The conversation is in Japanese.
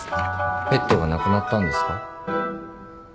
ペットが亡くなったんですか？